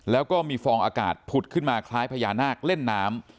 แล้วก็มีฟองอากาศผุดขึ้นมาคล้ายพญานาคเล่นน้ำ